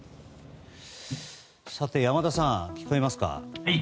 さて、山田さん、聞こえますか。